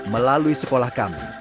melalui sekolah kami